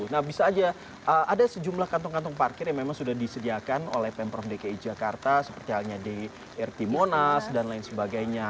nah bisa aja ada sejumlah kantong kantong parkir yang memang sudah disediakan oleh pemprov dki jakarta seperti halnya di rt monas dan lain sebagainya